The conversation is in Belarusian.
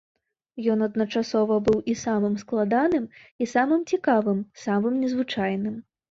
Ён адначасова быў і самым складаным і самым цікавым, самым незвычайным.